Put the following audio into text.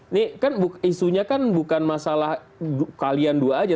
ini kan isunya kan bukan masalah kalian dua aja